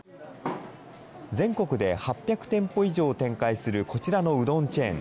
全国で８００店舗以上を展開するこちらのうどんチェーン。